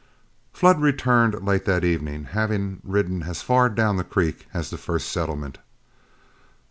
Flood returned late that evening, having ridden as far down the creek as the first settlement.